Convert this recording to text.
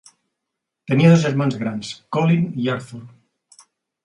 Tenia dos germans grans, Colin i Arthur.